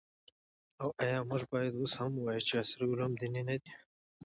او آیا موږ باید اوس هم ووایو چې عصري علوم دیني نه دي؟